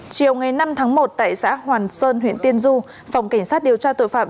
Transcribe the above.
chiều ngày năm tháng một tại xã hoàn sơn huyện tiên du phòng cảnh sát điều tra tội phạm